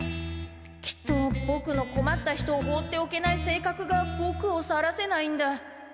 きっとボクのこまった人を放っておけない性格がボクを去らせないんだ。